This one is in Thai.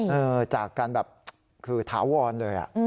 แต่จากกันแบบคือถาวรเลย